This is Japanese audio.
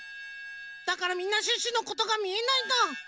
だからみんなシュッシュのことがみえないんだ。